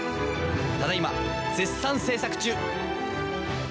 ただいま絶賛制作中！